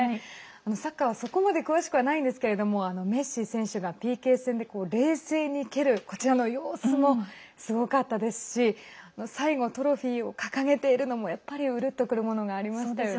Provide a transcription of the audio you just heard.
サッカーはそこまで詳しくはないんですけれどもメッシ選手がＰＫ戦で冷静に蹴るこちらの様子もすごかったですし最後トロフィーを掲げているのもやっぱり、うるっとくるものがありましたよね。